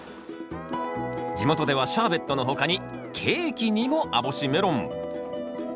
地元ではシャーベットの他にケーキにも網干メロン。